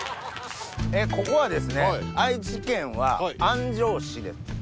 ここはですね愛知県は安城市です。